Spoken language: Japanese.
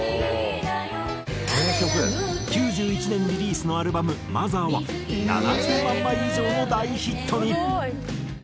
９１年リリースのアルバム『ＭＯＴＨＥＲ』は７０万枚以上の大ヒットに！